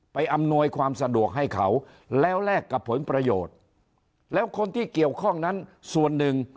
อำนวยความสะดวกให้เขาแล้วแลกกับผลประโยชน์แล้วคนที่เกี่ยวข้องนั้นส่วนหนึ่ง